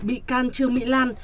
bị can trương mỹ lan